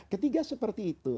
ketiga seperti itu